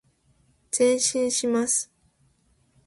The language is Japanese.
前進します。